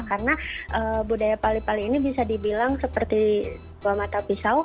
karena budaya pali pali ini bisa dibilang seperti dua mata pisau